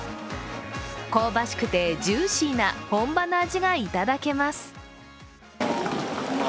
香ばしくてジューシーな本場の味がいただけます。